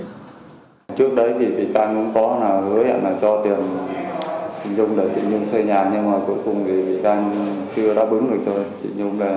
trước đấy thì bị can cũng có hứa cho tiền chị nhung để chị nhung xây nhà nhưng mà cuối cùng thì bị can chưa đáp ứng được thôi